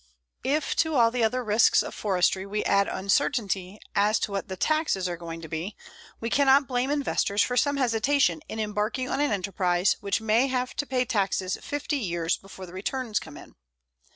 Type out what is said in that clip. If to all the other risks of forestry we add uncertainty as to what the taxes are going to be, we cannot blame investors for some hesitation in embarking on an enterprise which may have to pay taxes fifty years before the returns come in.